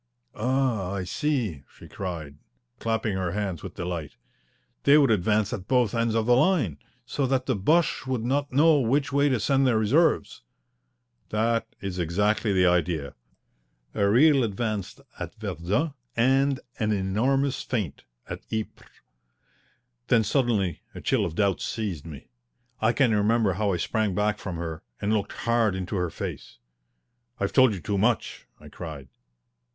"Ah, I see," she cried, clapping her hands with delight. "They would advance at both ends of the line, so that the Boches would not know which way to send their reserves." "That is exactly the idea a real advance at Verdun, and an enormous feint at Ypres." Then suddenly a chill of doubt seized me. I can remember how I sprang back from her and looked hard into her face. "I've told you too much!" I cried.